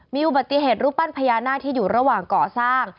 มีอุบัติเหตุรูปปั้นพญานาคที่อยู่ระหว่างก่อสร้าง